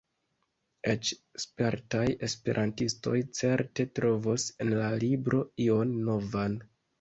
Eĉ spertaj esperantistoj certe trovos en la libro ion novan.